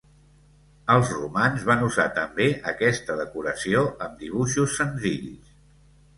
Els romans van usar també aquesta decoració amb dibuixos senzills.